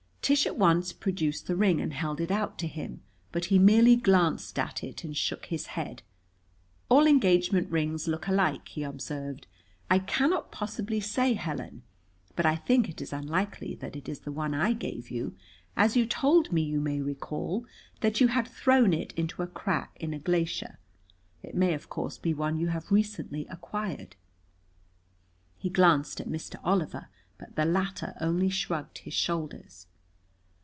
Tish at once produced the ring and held it out to him. But he merely glanced at it and shook his head. "All engagement rings look alike," he observed. "I cannot possibly say, Helen, but I think it is unlikely that it is the one I gave you, as you told me, you may recall, that you had thrown it into a crack in a glacier. It may, of course, be one you have recently acquired." He glanced at Mr. Oliver, but the latter only shrugged his shoulders.